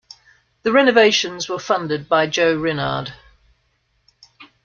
The renovations were funded by Joe Rinard.